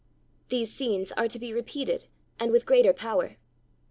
These scenes are to be repeated, and with greater power.